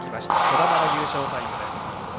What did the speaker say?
兒玉の優勝タイムです。